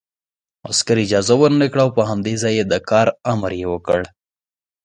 عسکر اجازه ورنکړه او په همدې ځای د کار امر یې وکړ